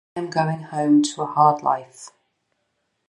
I am going home to a hard life.